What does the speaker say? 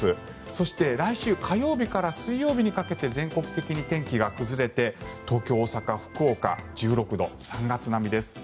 そして来週火曜日から水曜日にかけて全国的に天気が崩れて東京、大阪、福岡、１６度３月並みです。